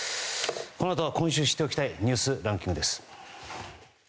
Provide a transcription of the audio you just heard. このあとは今週知っておきたいニュースランキングです。